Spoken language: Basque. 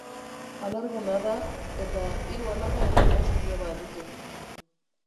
Alarguna da eta hiru alaba eta bost biloba ditu.